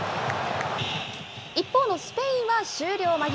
一方のスペインは終了間際。